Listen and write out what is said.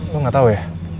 lo gak tau ya